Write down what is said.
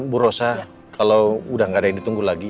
bu rosa kalau udah gak ada yang ditunggu lagi